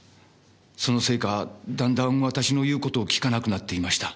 そのせいかだんだん私の言う事を聞かなくなっていました。